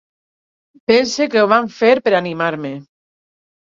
Pense que ho van fer per animar-me.